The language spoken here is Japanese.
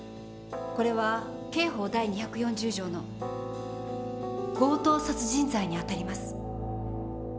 これは刑法第２４０条の強盗殺人罪にあたります。